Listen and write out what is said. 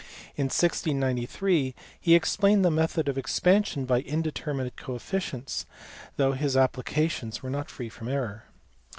In 1693 he explained the method of expansion by indeterminate coefficients, though his applications were not free from error.